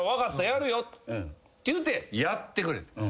やるよ」って言うてやってくれて。